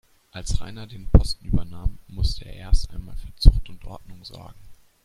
Als Rainer den Posten übernahm, musste er erst einmal für Zucht und Ordnung sorgen.